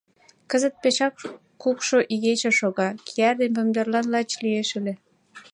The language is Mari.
Кызыт пешак кукшо игече шога, кияр ден помидорлан лач лиеш ыле.